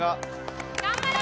「頑張れ！